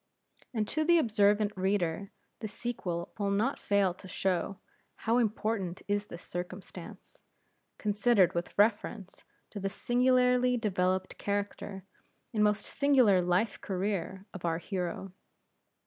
And to the observant reader the sequel will not fail to show, how important is this circumstance, considered with reference to the singularly developed character and most singular life career of our hero.